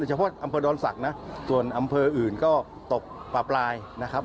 เฉพาะอำเภอดอนศักดิ์นะส่วนอำเภออื่นก็ตกปลาปลายนะครับ